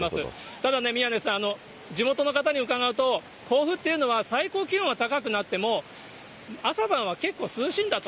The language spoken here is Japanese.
ただね、宮根さん、地元の方に伺うと、甲府っていうのは最高気温が高くなっても、朝晩は結構涼しいんだと。